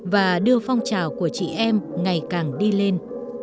và đưa phong trào của chị em ngày càng đi lên